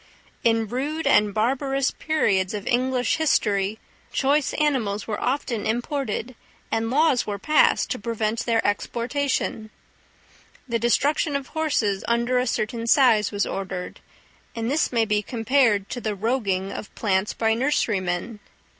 In rude and barbarous periods of English history choice animals were often imported, and laws were passed to prevent their exportation: the destruction of horses under a certain size was ordered, and this may be compared to the "roguing" of plants by nurserymen.